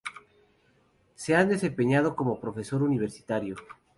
Se ha desempeñado como profesor universitario.